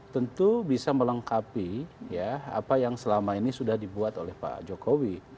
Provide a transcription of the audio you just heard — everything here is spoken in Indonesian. tentu bisa melengkapi apa yang selama ini sudah dibuat oleh pak jokowi